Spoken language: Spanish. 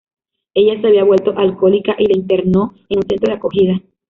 Ella se había vuelto alcohólica y le internó en un centro de acogida.